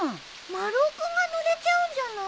丸尾君がぬれちゃうんじゃない？